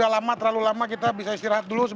ada ya partai bantu